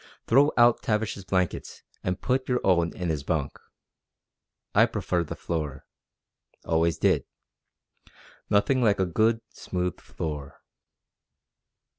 Throw out Tavish's blankets and put your own in his bunk. I prefer the floor. Always did. Nothing like a good, smooth floor...."